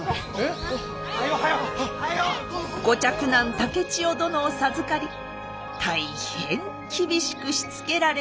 竹千代殿を授かり大変厳しくしつけられました。